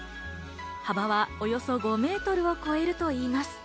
幅はおよそ５メートルを超えるといいます。